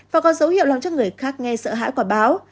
và có dấu hiệu làm cho người khác nghe sợ hãi quả báo